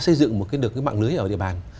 xây dựng một cái được cái mạng lưới ở địa bàn